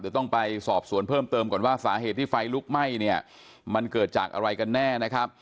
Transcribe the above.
เดี๋ยวต้องไปสอบสวนเพิ่มเติมก่อนว่าสาเหตุที่ไฟลุกไหม้เนี่ยมันเกิดจากอะไรกันแน่นะครับ